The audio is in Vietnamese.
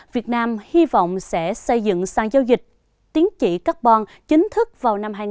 việt nam hy vọng sẽ xây dựng sang giao dịch tiến trị carbon chính thức vào năm hai nghìn hai mươi